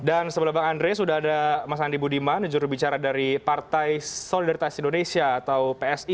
sebelum bang andre sudah ada mas andi budiman jurubicara dari partai solidaritas indonesia atau psi